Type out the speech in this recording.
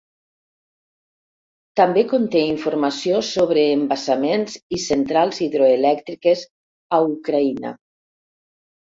També conté informació sobre embassaments i centrals hidroelèctriques a Ucraïna.